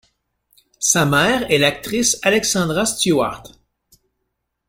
Sa mère est l'actrice Alexandra Stewart.